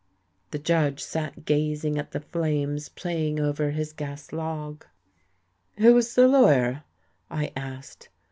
The Judge sat gazing at the flames playing over his gas log. "Who was the lawyer?" I asked.